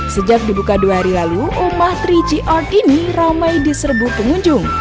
sejak dibuka dua hari lalu rumah tiga g art ini ramai diserbu pengunjung